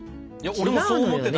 俺もそう思ってたの。